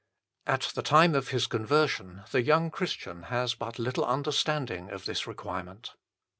At the time of his conversion the young Christian has but little understanding of this requirement.